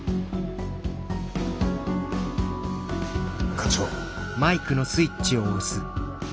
課長。